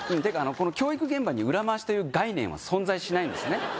この教育現場に裏回しという概念は存在しないんですね